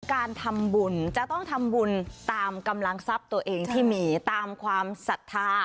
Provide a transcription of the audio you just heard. การทำบุญจะต้องทำบุญตามกำลังทรัพย์ตัวเองที่มีตามความศรัทธา